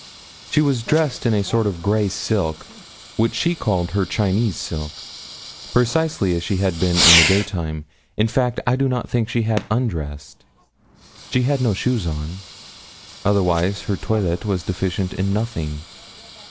She was dressed in a sort of grey silk, which she called her Chinese silk precisely as she had been in the daytime. In fact, I do not think she had undressed. She had no shoes on. Otherwise her toilet was deficient in nothing.